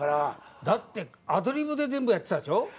だってアドリブで全部やってたでしょ？